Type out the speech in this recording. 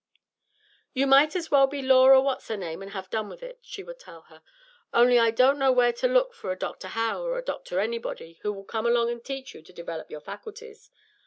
"You might as well be Laura what's her name and have done with it," she would tell her; "only I don't know where to look for a Dr. Howe or a Dr. anybody, who will come along and teach you to develop your faculties.